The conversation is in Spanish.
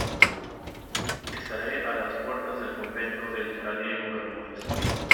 estará a las puertas del convento el general Diego Bermúdez.